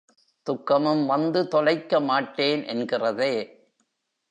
துக்கமும் வந்து தொலைக்க மாட்டேன் என்கிறதே!